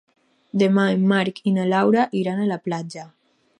Demà en Marc i na Laura iran a la platja.